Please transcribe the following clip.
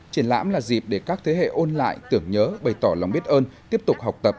triển lãm là dịp để các thế hệ ôn lại tưởng nhớ bày tỏ lòng biết ơn tiếp tục học tập